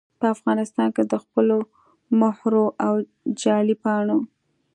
په افغانستان کې دخپلو مهرو او جعلي پاڼو